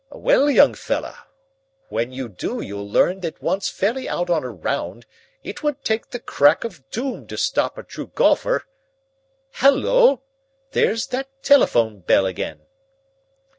"Well, young fellah, when you do you'll learn that once fairly out on a round, it would take the crack of doom to stop a true golfer. Halloa! There's that telephone bell again."